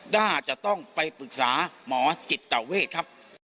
น่าจะต้องไปปรึกษาหมอจิตเวทครับ